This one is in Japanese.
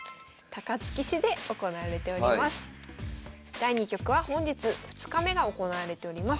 第２局は本日２日目が行われております。